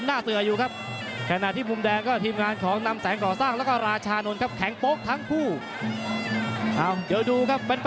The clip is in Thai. น้ำเงินก็ที่ทีมงานชอห้าพระยักษ์แล้วครับ